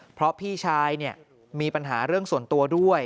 เพราะพี่ชายมีปัญหาเรื่องส่วนตัวด้วย